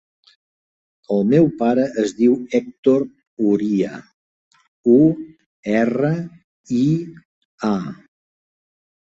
El meu pare es diu Hèctor Uria: u, erra, i, a.